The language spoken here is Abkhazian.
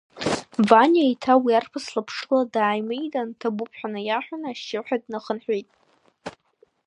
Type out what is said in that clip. Ваниа еиҭа уи арԥыс лаԥшыла дааимидан, ҭабуп ҳәа наиаҳәаны, ашьшьыҳәа днахынҳәит.